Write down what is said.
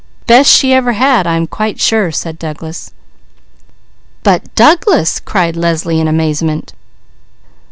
Best she ever had I am quite sure," said Douglas. "But Douglas!" cried Leslie in amazement.